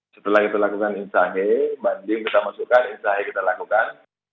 setelah kita lakukan instahe banding kita masukkan instahe kita lakukan